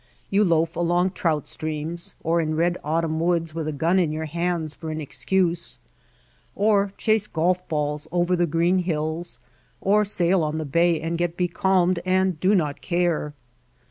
You loaf along trout streams, or in red autumn woods with a gun in your hands for an excuse, or chase golf balls over green hills, or sail on the bay and get becalmed and do not care.